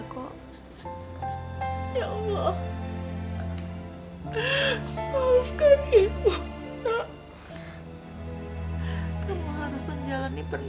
kamu harus menanggung beban yang berat